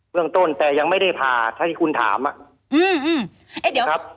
เรื่องต้นแต่ยังไม่ได้ผ่าเท่าที่คุณถามอ่ะอืมเดี๋ยวครับ